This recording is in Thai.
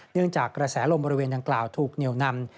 เนื่องจากกระแสลมบริเวณดังกล่าวถูกเหนียวนำ